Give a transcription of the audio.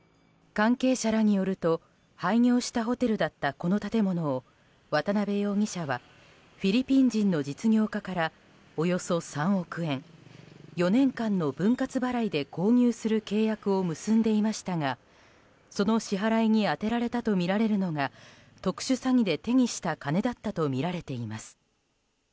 関係者らによると廃業したホテルだったこの建物を渡邉容疑者はフィリピン人の実業家からおよそ３億円４年間の分割払いで購入する契約を結んでいましたがその支払いに充てられたとみられるのが特殊詐欺で手にした金だったとみられています。